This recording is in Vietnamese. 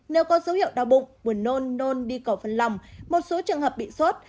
nếu có dấu hiệu đau bụng buồn nôn nôn đi cầu phân lòng một số trường hợp bị sốt